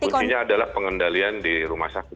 kuncinya adalah pengendalian di rumah sakit